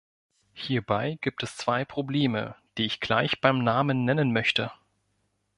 Hierbei gibt es zwei Probleme, die ich gleich beim Namen nennen möchte.